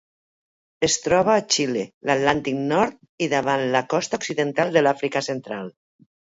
Es troba a Xile, l'Atlàntic nord i davant la costa occidental de l'Àfrica Central.